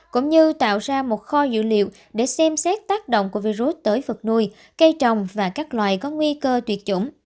cũng như tạo ra một kho dữ liệu để xem xét tác động của virus tới vật nuôi cây trồng và các loài có nguy cơ tuyệt chủng